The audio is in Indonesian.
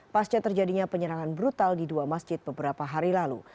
pasca terjadinya penyerangan brutal di dua masjid beberapa hari lalu